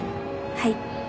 はい。